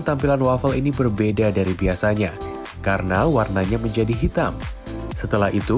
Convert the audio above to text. tampilan waffle ini berbeda dari biasanya karena warnanya menjadi hitam setelah itu